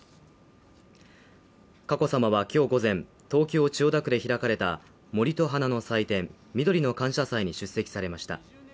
佳子さまは今日午前、東京・千代田区で開かれた森と花の祭典みどりの感謝祭に出席されました。